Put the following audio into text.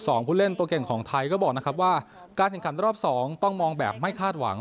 ผู้เล่นตัวเก่งของไทยก็บอกนะครับว่าการแข่งขันรอบสองต้องมองแบบไม่คาดหวัง